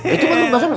itu kan lu basahin